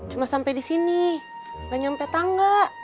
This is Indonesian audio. cuma sampai disini gak nyampe tangga